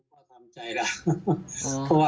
ไม่ต้องคิดแบบนี้แล้ว